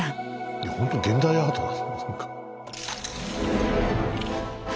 いやほんと現代アートだ。